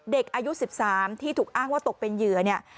เด็กอายุ๑๓ที่ถูกอ้างว่าตกเป็นเหยื่อเนี่ย